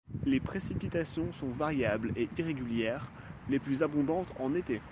Les précipitations sont variables et irrégulières, les plus abondantes en été.